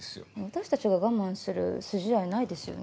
私たちが我慢する筋合いないですよね？